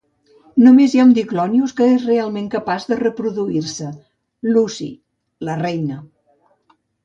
Només hi ha un Diclonius que es realment capaç de reproduir-se: Lucy, la "reina".